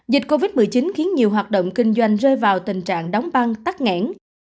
dịch covid một mươi chín khiến nhiều hoạt động kinh doanh rơi vào tình trạng đóng băng tắt nghẽn